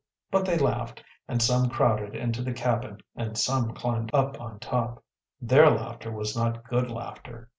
But they laughed, and some crowded into the cabin and some climbed up on top. Their laughter was not good laughter.